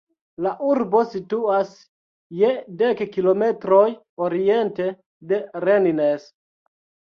La urbo situas je dek kilometroj oriente de Rennes.